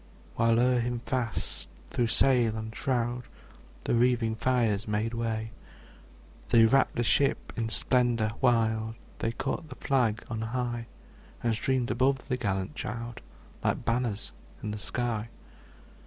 '' While o'er him fast, through sail and shroud, The wreathing fires made way. They wrapt the ship in splendor wild, They caught the flag on high, And streamed above the gallant child, Like banners in the sky.